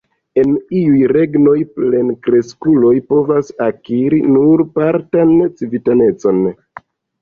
En iuj regnoj plenkreskuloj povas akiri nur partan civitanecon.